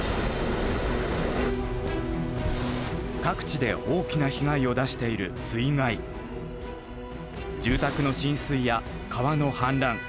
各地で大きな被害を出している住宅の浸水や川の氾濫。